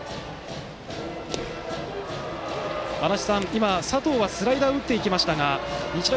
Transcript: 今、佐藤はスライダーを打っていきましたが日大